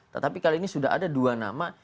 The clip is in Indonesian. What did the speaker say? tetapi kali ini sudah ada dua nama